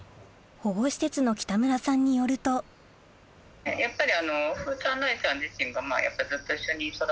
保護施設の北村さんによるとやっぱり。